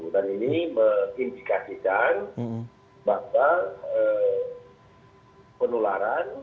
dan ini mengindikasikan bahwa penularan